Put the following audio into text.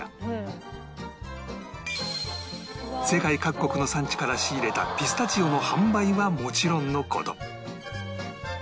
世界各国の産地から仕入れたピスタチオの販売はもちろんの事